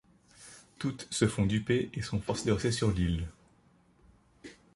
Toutes se font duper et sont forcées de rester sur l'île.